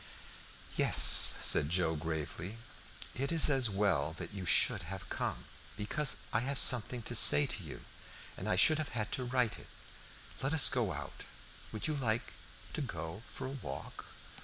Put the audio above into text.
"Yes," said Joe, gravely. "It is as well that you have come, because I have something to say to you, and I should have had to write it. Let us go out. Would you like to go for a walk?"